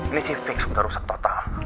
ini sih fix sudah rusak total